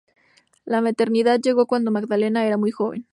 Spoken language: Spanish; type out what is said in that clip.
La maternidad llegó cuando Magdalena era muy joven.